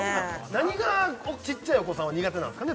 何がちっちゃいお子さんは苦手なんすかね？